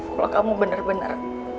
kalau kamu bener bener